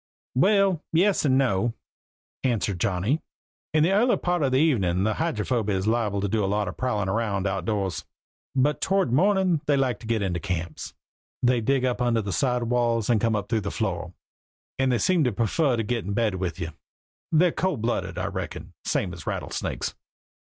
"Well, yes and no," answered Johnny. "In the early part of the evening a Hydrophoby is liable to do a lot of prowlin' round outdoors; but toward mornin' they like to get into camps they dig up under the side walls or come up through the floor and they seem to prefer to get in bed with you. They're cold blooded, I reckin, same as rattlesnakes.